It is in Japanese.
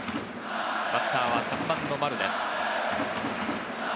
バッターは３番の丸です。